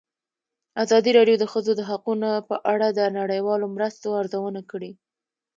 ازادي راډیو د د ښځو حقونه په اړه د نړیوالو مرستو ارزونه کړې.